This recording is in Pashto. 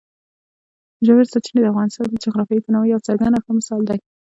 ژورې سرچینې د افغانستان د جغرافیوي تنوع یو څرګند او ښه مثال دی.